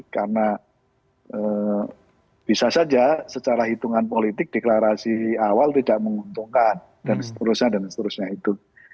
karena bisa saja secara hitungan politik deklarasi awal tidak menguntungkan dan seterusnya dan seterusnya itu